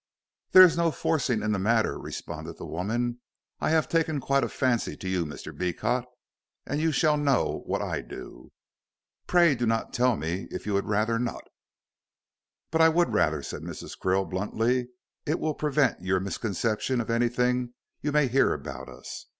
"There is no forcing in the matter," responded the woman. "I have taken quite a fancy to you, Mr. Beecot, and you shall know what I do." "Pray do not tell me if you would rather not." "But I would rather," said Mrs. Krill, bluntly; "it will prevent your misconception of anything you may hear about us.